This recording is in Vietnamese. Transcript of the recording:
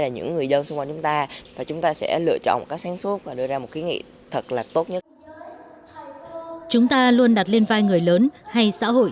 là những điều mà chính các em đã và đang muốn lên tiếng muốn thay đổi